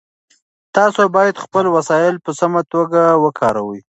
تاسو باید خپل وسایل په سمه توګه وکاروئ.